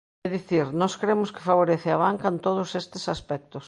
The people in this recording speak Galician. É dicir, nós cremos que favorece a banca en todos estes aspectos.